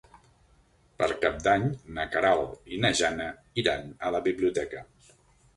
Per Cap d'Any na Queralt i na Jana iran a la biblioteca.